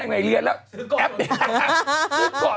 คุณหมอโดนกระช่าคุณหมอโดนกระช่า